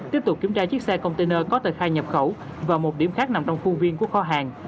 tiếp tục kiểm tra chiếc xe container có tờ khai nhập khẩu và một điểm khác nằm trong khuôn viên của kho hàng